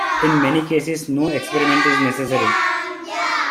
In many cases no experiment is necessary.